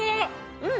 うん！